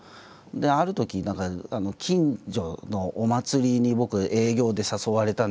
あるとき近所のお祭りに僕営業で誘われたんですね。